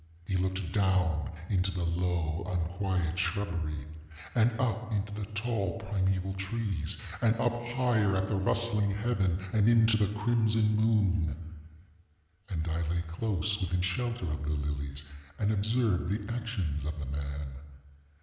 He looked down into the low unquiet shrubbery, and up into the tall primeval trees, and up higher at the rustling heaven, and into the crimson moon. And I lay close within shelter of the lilies, and observed the actions of the man.